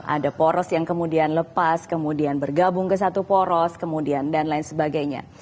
ada poros yang kemudian lepas kemudian bergabung ke satu poros kemudian dan lain sebagainya